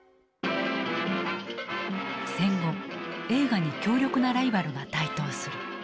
戦後映画に強力なライバルが台頭する。